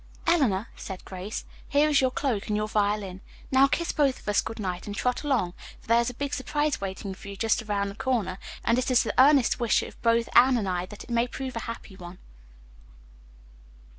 "Eleanor," said Grace, "here is your cloak and your violin. Now, kiss both of us good night and trot along, for there's a big surprise waiting for you just around the corner, and it is the earnest wish of both Anne and I that it may prove a happy one."